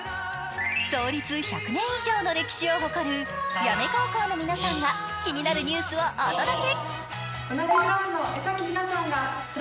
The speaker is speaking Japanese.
創立１００年以上の歴史を誇る八女高校の皆さんが気になるニュースをお届け！